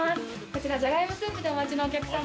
こちらじゃがいもスープでお待ちのお客様。